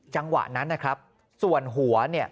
จังหวะนั้นนะครับส่วนหัวเนี่ย